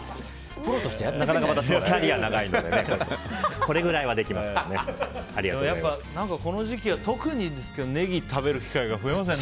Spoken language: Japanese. プロとしてキャリアが長いのでこの時期は特にですけどネギ食べる機会が増えますよね。